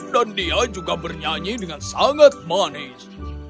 dan dia juga bernyanyi dengan sangat manis